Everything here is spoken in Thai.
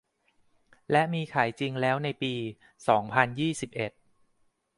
และมีขายจริงแล้วในปี สองพันยี่สิบเอ็ด